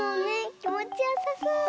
きもちよさそう！